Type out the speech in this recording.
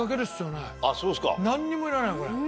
なんにもいらないこれ。